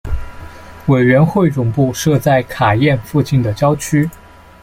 委员会总部设在卡宴附近的郊区。